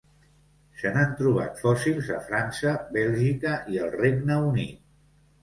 Se n'han trobat fòssils a França, Bèlgica i el Regne Unit.